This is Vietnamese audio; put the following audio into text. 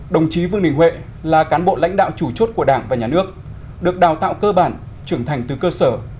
đồng chí vương đình huệ là cán bộ lãnh đạo chủ chốt của đảng và nhà nước được đào tạo cơ bản trưởng thành từ cơ sở